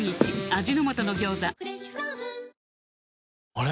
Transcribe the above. あれ？